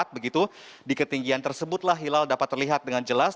begitu di ketinggian tersebutlah hilal dapat terlihat dengan jelas